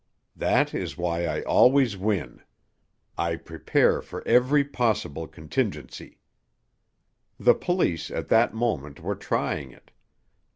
That is why I always win. I prepare for every possible contingency." The police, at that moment, were trying it.